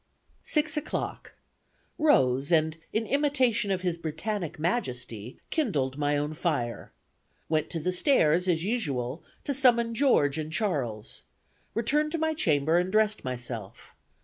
"Six o'clock. Rose, and, in imitation of his Britannic Majesty, kindled my own fire. Went to the stairs, as usual, to summon George and Charles. Returned to my chamber, dressed myself.